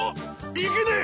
いけねえ！